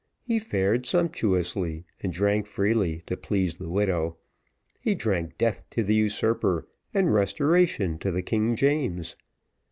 He fared sumptuously, and drank freely to please the widow. He drank death to the usurper, and restoration to the King James.